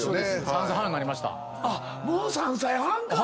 もう３歳半か！